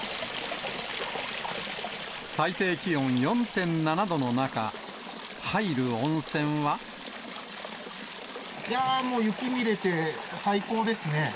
最低気温４．７度の中、いやー、もう、雪見れて、最高ですね。